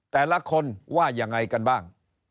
แต่ละคนว่ายังไงกันบ้าง